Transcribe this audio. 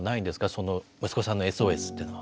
その息子さんのＳＯＳっていうのは。